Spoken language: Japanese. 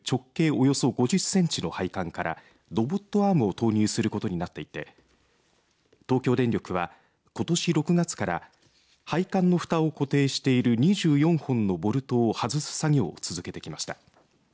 およそ５０センチの配管からロボットアームを投入することになっていて東京電力は、ことし６月から配管のふたを固定している２４本のボルトを外す作業を続けてきました。